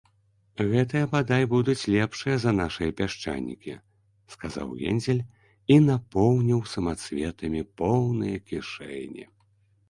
- Гэтыя, бадай, будуць лепшыя за нашыя пясчанікі, - сказаў Гензель і напоўніў самацветамі поўныя кішэні